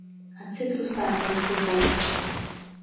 Ацитрусааӡара зыҟалом.